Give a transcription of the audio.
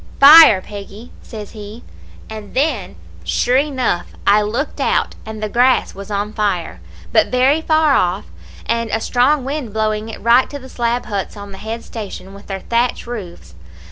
"'Fire! Peggy,' says he; and then, sure enough, I looked out, and the grass was on fire, but very far off, and a strong wind blowing it right to the slab huts on the head station with their thatch roofs.